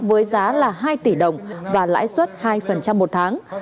với giá là hai tỷ đồng và lãi suất hai một tháng